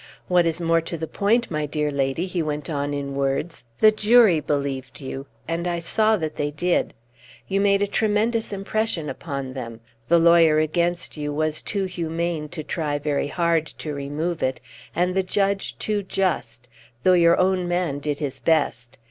"What is more to the point, my dear lady," he went on in words, "the jury believed you, and I saw that they did. You made a tremendous impression upon them. The lawyer against you was too humane to try very hard to remove it, and the judge too just though your own man did his best.